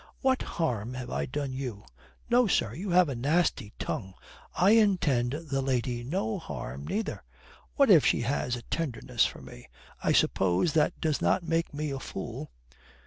"What harm have I done you? No, sir, you have a nasty tongue. I intend the old lady no harm, neither. What if she has a tenderness for me? I suppose that does not make me a fool."